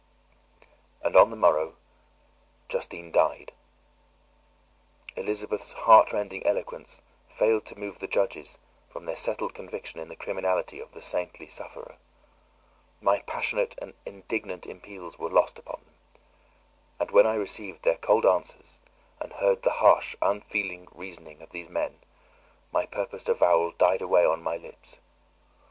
And on the morrow Justine died. Elizabeth's heart rending eloquence failed to move the judges from their settled conviction in the criminality of the saintly sufferer. My passionate and indignant appeals were lost upon them. And when I received their cold answers and heard the harsh, unfeeling reasoning of these men, my purposed avowal died away on my lips.